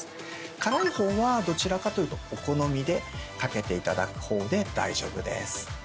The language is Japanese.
辛い方はどちらかというとお好みで掛けていただく方で大丈夫です。